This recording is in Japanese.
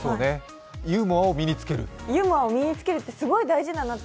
ユーモアを身に付けるってすごい大事だなって。